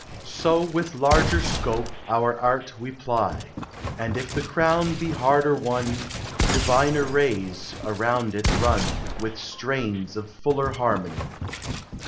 9 i With larger scope our arl we ply ; And if the crown be harder won, Diviner rays around it run, With strains of fuller harmony.